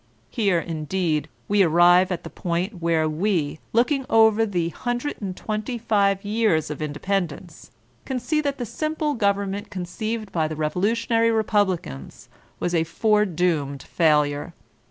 Here, indeed, we arrive at the point where we, looking over the hundred and twenty five years of independence, can see that the simple government conceived by the revo lutionary republicans was a foredoomed failure.